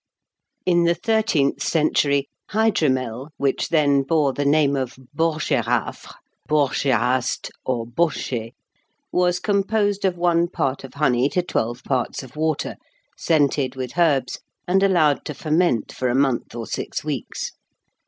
In the thirteenth century, hydromel, which then bore the name of borgérafre, borgéraste, or bochet, was composed of one part of honey to twelve parts of water, scented with herbs, and allowed to ferment for a month or six weeks.